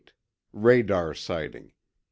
radar sighting .